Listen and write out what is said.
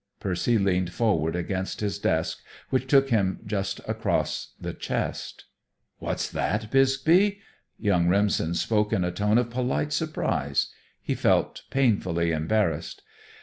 Percy leaned forward against his desk, which took him just across the chest. "What's that, Bixby?" Young Remsen spoke in a tone of polite surprise. He felt painfully embarrassed.